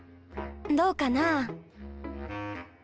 どうかな？